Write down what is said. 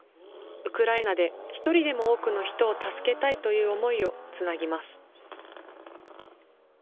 ウクライナで一人でも多くの人を助けたいという思いをつなぎます。